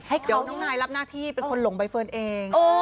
น้องนายรับหน้าที่เป็นคนหลงใบเฟิร์นเอง